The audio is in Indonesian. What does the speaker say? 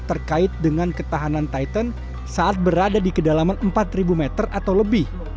terkait dengan ketahanan titan saat berada di kedalaman empat meter atau lebih